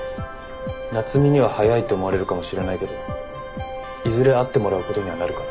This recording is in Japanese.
夏海には早いって思われるかもしれないけどいずれ会ってもらうことにはなるから。